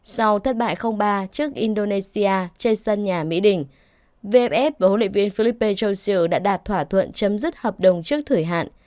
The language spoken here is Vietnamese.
sau thất bại ba trước indonesia trên sân nhà mỹ đình vff và huấn luyện viên philippe johnier đã đạt thỏa thuận chấm dứt hợp đồng trước thời hạn